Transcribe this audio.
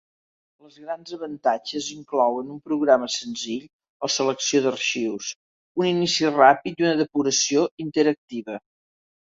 Les grans avantatges inclouen un programa senzill o selecció d'arxius, un inici ràpid i una depuració interactiva.